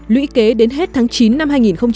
lũy kế đến hết tháng chín năm hai nghìn một mươi tám